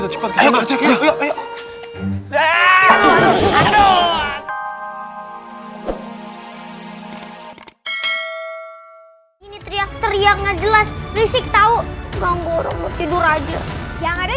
hai ini teriak teriak ngajelas risik tahu ganggu orang tidur aja jangan ada